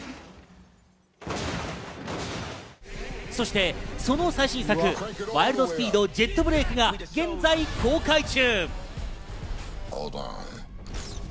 そしてその最新作『ワイルド・スピード／ジェットブレイク』が現在公開中。